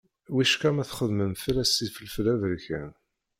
Wicqa ma txedmem-as ifelfel aberkan.